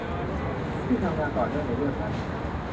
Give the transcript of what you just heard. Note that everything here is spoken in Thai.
ที่ทำงานต่อเนื่องในเรื่องนั้น